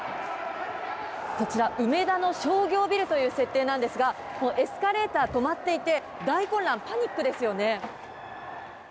こちら、梅田の商業ビルという設定なんですが、エスカレーター、止まっていて、大混乱、パニックですよね。